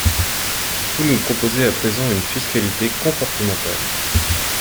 Vous nous proposez à présent une fiscalité comportementale.